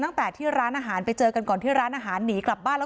ตั้งแต่ที่ร้านอาหารไปเจอกันก่อนที่ร้านอาหารหนีกลับบ้านแล้ว